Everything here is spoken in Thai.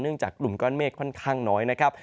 จากกลุ่มก้อนเมฆค่อนข้างน้อยนะครับ